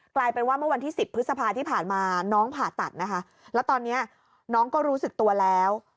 กลายเป็นว่าเมื่อวันที่๑๐พฤษภาที่ผ่านมาน้องผ่าตัดนะคะแล้วตอนนี้น้องก็รู้สึกตัวแล้ว